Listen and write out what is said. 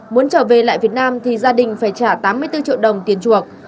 muốn trở về lại việt nam thì gia đình phải trả tám mươi bốn triệu đồng tiền chuộc